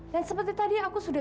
dan seperti tadi aku sudah